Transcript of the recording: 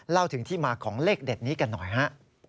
เล่าถึงที่มาของเลขเด็ดนี้กันหน่อยฮะ